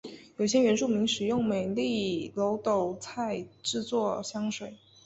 有些原住民使用美丽耧斗菜制作香水。